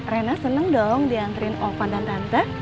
reina seneng dong diantrein ovan dan tante